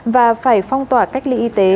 và phải phong tỏa cách ly y tế